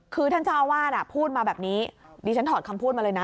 คือท่านเจ้าอาวาสพูดมาแบบนี้ดิฉันถอดคำพูดมาเลยนะ